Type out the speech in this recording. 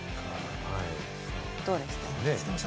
どうですか？